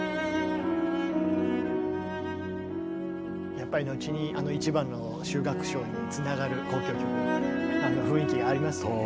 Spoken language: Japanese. やっぱり後にあの「１番」の終楽章につながる交響曲のあの雰囲気がありますよね。